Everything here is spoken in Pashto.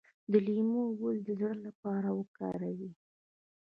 د لیمو ګل د زړه لپاره وکاروئ